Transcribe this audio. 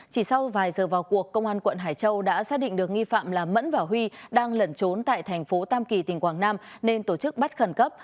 chỉ sau vài giờ vào cuộc công an quận hải châu đã xác định được nghi phạm là mẫn và huy đang lẩn trốn tại thành phố tam kỳ tỉnh quảng nam nên tổ chức bắt khẩn cấp